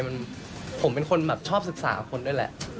มันผมเป็นคนแบบชอบศึกษาคนด้วยแหละ